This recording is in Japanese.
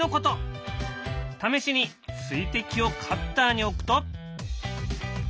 試しに水滴をカッターに置くと。